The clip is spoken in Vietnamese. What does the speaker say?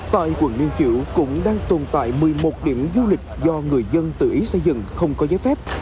tại quận niên chiểu cũng đang tồn tại một mươi một điểm du lịch do người dân từ ý xây dựng không có giấy phép